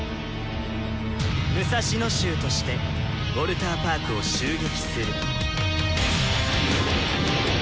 「六指衆」としてウォルターパークを襲撃する。